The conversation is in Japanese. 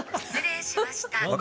失礼しました。